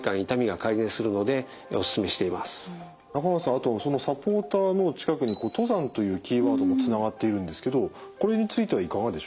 あとその「サポーター」の近くに「登山」というキーワードもつながっているんですけどこれについてはいかがでしょうか？